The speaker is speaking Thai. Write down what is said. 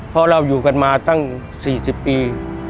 เพราะเราอยู่กันมาตั้ง๔๐ปี